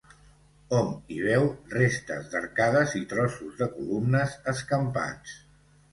Hom hi veu restes d'arcades i trossos de columnes escampats.